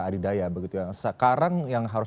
adidaya begitu yang sekarang yang harus